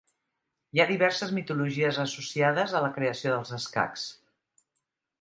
Hi ha diverses mitologies associades a la creació dels escacs.